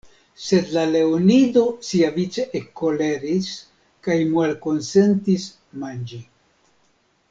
Sed la leonido siavice ekkoleris kaj malkonsentis manĝi.